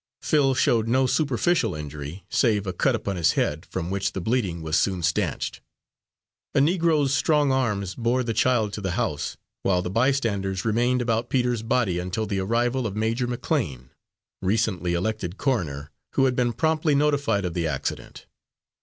Phil showed no superficial injury, save a cut upon the head, from which the bleeding was soon stanched. A Negro's strong arms bore the child to the house, while the bystanders remained about Peter's body until the arrival of Major McLean, recently elected coroner, who had been promptly notified of the accident.